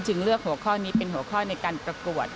เลือกหัวข้อนี้เป็นหัวข้อในการประกวด